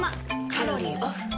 カロリーオフ。